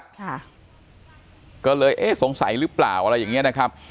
ค่ะก็เลยเอ๊ะสงสัยหรือเปล่าอะไรอย่างเงี้ยนะครับ